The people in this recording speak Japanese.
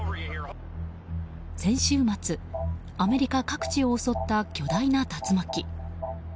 先週末、アメリカ各地を襲った巨大な竜巻。